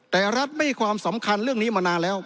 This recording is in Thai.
แต่รัฐไม่ให้ความสำคัญเรื่องนี้มานานแล้ว